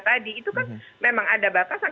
tadi itu kan memang ada batasan